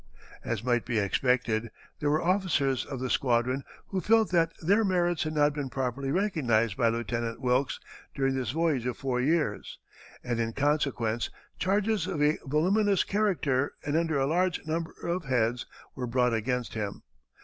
As might be expected, there were officers of the squadron who felt that their merits had not been properly recognized by Lieutenant Wilkes during this voyage of four years, and in consequence charges of a voluminous character and under a large number of heads were brought against him.